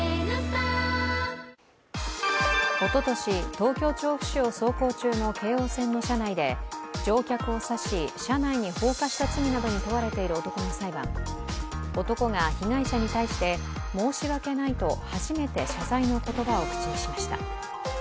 東京・調布市を走行中の京王線の車内で、乗客を刺し車内に放火した罪などに問われている男の裁判、男が被害者に対して申し訳ないと初めて謝罪の言葉を口にしました。